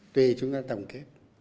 tùy chúng ta tổng kết